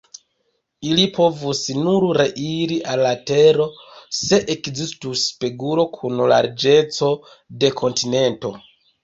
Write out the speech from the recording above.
Ili povus nur reiri al la tero, se ekzistus spegulo kun larĝeco de kontinento".